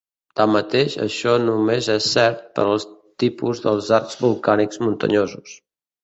Tanmateix això només és cert per al tipus dels arcs volcànics muntanyosos.